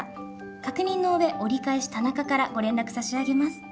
確認の上折り返し田中からご連絡さしあげます。